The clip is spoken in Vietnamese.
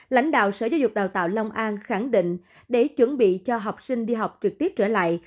lãnh đạo sở giáo dục đào tạo long an khẳng định để chuẩn bị cho học sinh đi học trực tiếp trở lại